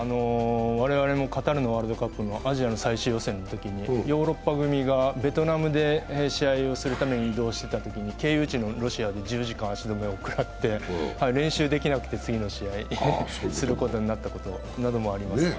我々もカタールのワールドカップのアジアの最終予選のときにヨーロッパ組がベトナムで試合をするために移動していたときに、経由地のロシアで１０時間足止めをくらって、練習できずに次の試合をすることになったこともあります。